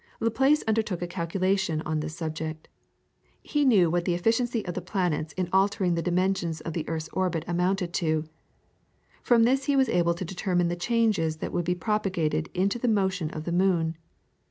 Laplace undertook a calculation on this subject. He knew what the efficiency of the planets in altering the dimensions of the earth's orbit amounted to; from this he was able to determine the changes that would be propagated into the motion of the moon.